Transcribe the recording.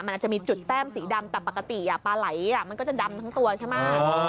มันอาจจะมีจุดแต้มสีดำแต่ปกติปลาไหลมันก็จะดำทั้งตัวใช่ไหม